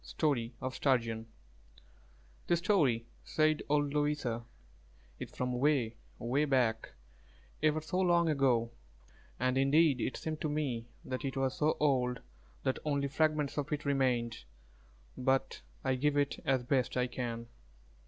STORY OF STURGEON "This story," said old Louisa, "is from 'way, 'way back, ever so long ago;" and indeed it seemed to me that it was so old that only fragments of it remained; but I give it as best I can.